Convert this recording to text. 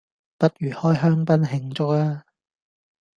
不如開香檳慶祝吖？